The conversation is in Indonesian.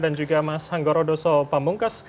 dan juga mas hanggoro doso pambungkas